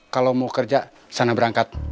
kalau mau kerja sana berangkat